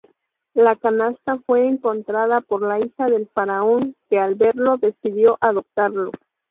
La canasta fue encontrada por la hija del faraón, que al verlo, decidió adoptarlo.